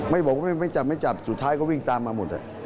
บอกว่าไม่จับไม่จับสุดท้ายก็วิ่งตามมาหมด